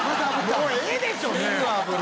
「もうええでしょ！」